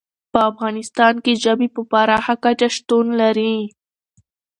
په افغانستان کې ژبې په پراخه کچه شتون لري.